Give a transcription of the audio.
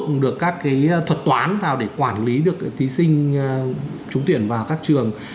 ứng dụng được các cái thuật toán vào để quản lý được thí sinh trúng tuyển vào các trường